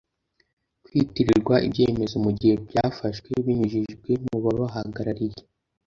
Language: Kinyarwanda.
kwitirirwa ibyemezo mu gihe byafashwe binyujijwe mu babahagarariye